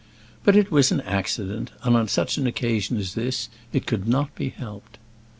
But it was an accident, and on such an occasion as this it could not be helped."